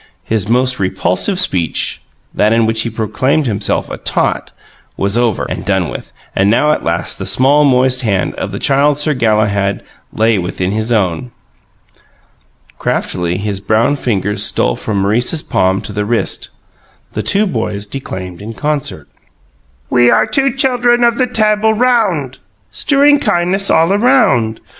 His most repulsive speech (that in which he proclaimed himself a "tot") was over and done with; and now at last the small, moist hand of the Child Sir Galahad lay within his own. Craftily his brown fingers stole from Maurice's palm to the wrist. The two boys declaimed in concert: "We are two chuldrun of the Tabul Round Strewing kindness all a round.